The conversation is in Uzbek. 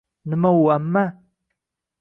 Nima, u, amma?